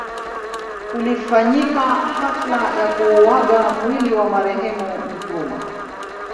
Kulifanyika hafla ya kuuaga mwili wa marehemu Nkrumah